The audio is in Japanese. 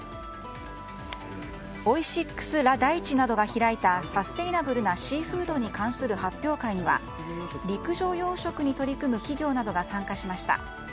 オイシックス・ラ・大地などが開いたサステナブルなシーフードに関する発表会には陸上養殖に取り組む企業などが参加しました。